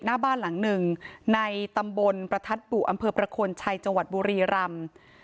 หน้าบ้านหลังหนึ่งในตำบลประทัดบุอำเภอประคลชัยจังหวัดบุรีรำ